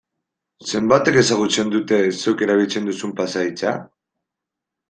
Zenbatek ezagutzen dute zeuk erabiltzen duzun pasahitza?